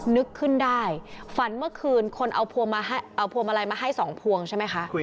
นึกขึ้นได้ฝันเมื่อคืนคนเอาพวงมาลัยมาให้๒พวงใช่ไหมคะ